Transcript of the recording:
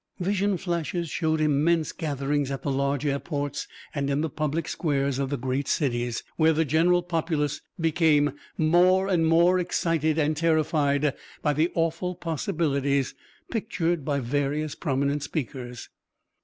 Vision flashes showed immense gatherings at the large airports and in the public squares of the great cities, where the general populace become more and more excited and terrified by the awful possibilities pictured by various prominent speakers.